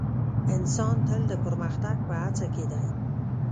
انسان تل د پرمختګ په هڅه کې دی.